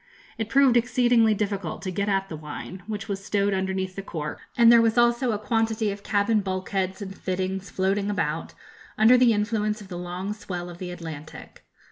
It proved exceedingly difficult to get at the wine, which was stowed underneath the cork, and there was also a quantity of cabin bulkheads and fittings floating about, under the influence of the long swell of the Atlantic.